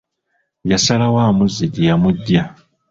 Yasalawo amuzze gye yamuggya.